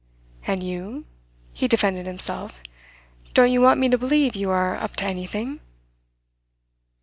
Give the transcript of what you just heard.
"And you?" he defended himself. "Don't you want me to believe you are up to anything?"